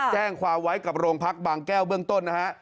แจ้งความไว้กับโรงพักบางแก้วเบื้องต้นนะฮะ